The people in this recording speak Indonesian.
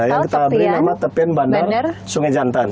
yang kita beri nama tepian bandar sungai jantan